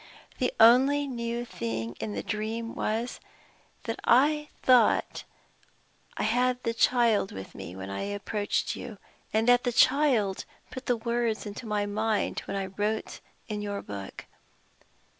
The only new thing in the dream was, that I thought I had the child with me when I approached you, and that the child put the words into my mind when I wrote in your book.